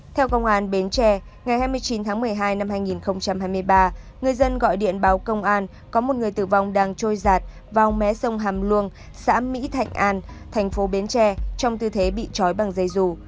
theo công an bến tre ngày hai mươi chín tháng một mươi hai năm hai nghìn hai mươi ba người dân gọi điện báo công an có một người tử vong đang trôi giạt vào mé sông hàm luông xã mỹ thạnh an thành phố bến tre trong tư thế bị trói bằng dây dù